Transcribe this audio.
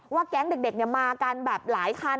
แก๊งเด็กมากันแบบหลายคัน